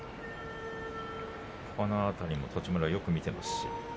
その辺りも栃丸はよく見ています。